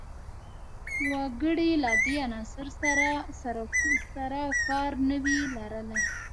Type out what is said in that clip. وګړي له دې عنصر سر و کار نه وي لرلای